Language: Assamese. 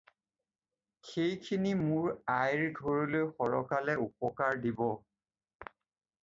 সেইখিনি মোৰ আইৰ ঘৰলৈ সৰকালে উপকাৰ দিব।